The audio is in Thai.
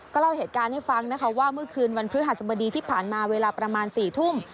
เล่าเหตุการณ์ให้ฟังนะคะว่าเมื่อคืนวันพฤหัสบดีที่ผ่านมาเวลาประมาณ๔ทุ่ม